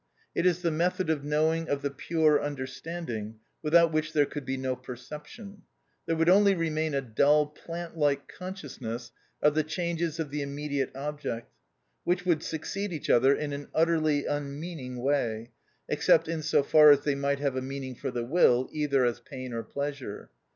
It is the method of knowing of the pure understanding, without which there could be no perception; there would only remain a dull plant like consciousness of the changes of the immediate object, which would succeed each other in an utterly unmeaning way, except in so far as they might have a meaning for the will either as pain or pleasure.